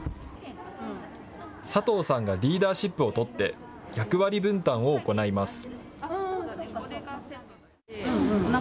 佐藤さんがリーダーシップを取って役割分担を行います。